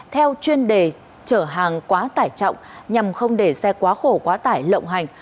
theo chuyên đề chở hàng quá tải trọng nhằm không để xe quá khổ quá tải lộng hành